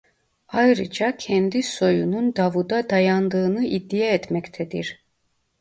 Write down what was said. Ayrıca kendi soyunun Davud'a dayandığını iddia etmektedir.